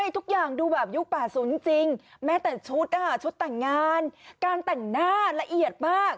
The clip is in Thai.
ทุกอย่างดูแบบยุค๘๐จริงแม้แต่ชุดชุดแต่งงานการแต่งหน้าละเอียดมาก